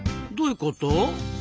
どういうこと？